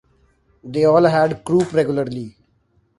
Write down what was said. They all had croup regularly.